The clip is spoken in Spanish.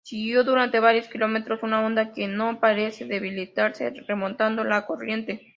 Siguió durante varios kilómetros una onda que no parecía debilitarse remontando la corriente.